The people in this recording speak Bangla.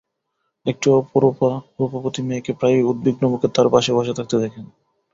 একটি অপরূপা রূপবতী মেয়েকে প্রায়ই উদ্বিগ্ন মুখে তাঁর পাশে বসে থাকতে দেখেন।